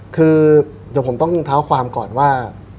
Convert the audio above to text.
คือเดี๋ยวผมต้องเท้าความก่อนว่า